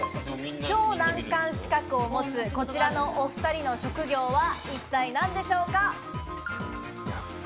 超難関資格を持つこちらのお二人の職業は一体何でしょうか？